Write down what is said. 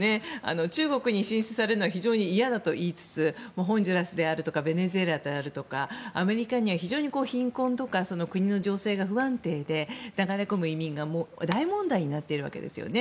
中国に進出されるのは非常に嫌だといいつつホンジュラスであるとかベネズエラであるとかアメリカには非常に、貧困とか国の情勢が不安定で、流れ込む移民が大問題になっているわけですね。